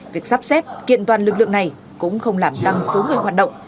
việc sắp xếp kiện toàn lực lượng này cũng không làm tăng số người hoạt động